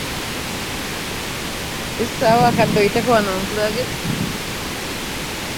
Fissaawo akadde oyiteko wano nkulage.